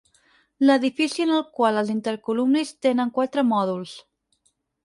L'edifici en el qual els intercolumnis tenen quatre mòduls.